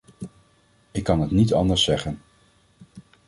Ik kan het niet anders zeggen.